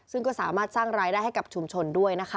ซึ่งก็สามารถสร้างรายได้ให้กับชุมชนด้วยนะคะ